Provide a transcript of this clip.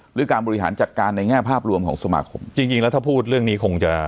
หรือการบริหารจัดการในแง่ภาพรวมของสมาคมจริงจริงแล้วถ้าพูดเรื่องนี้คงจะ